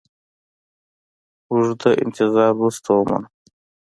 اوږده انتظار وروسته ومنلو.